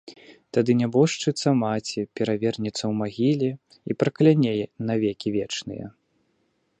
Тады нябожчыца маці перавернецца ў магіле і пракляне на векі вечныя.